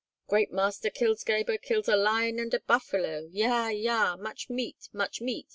"Great master kills Gebhr, kills a lion and a buffalo! Yah! Yah! Much meat! Much meat!